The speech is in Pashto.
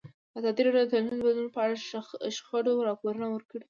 ازادي راډیو د ټولنیز بدلون په اړه د شخړو راپورونه وړاندې کړي.